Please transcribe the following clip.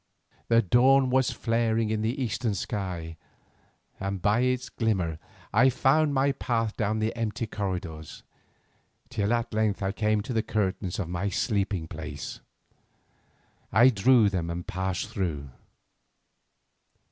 The dawn was flaring in the eastern sky, and by its glimmer I found my path down the empty corridors, till at length I came to the curtains of my sleeping place. I drew them and passed through.